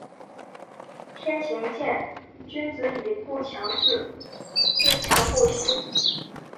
天行健，君子以不强自……自强不息。